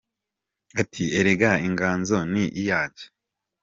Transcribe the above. Ati “ Erega inganzo ni iyanjye.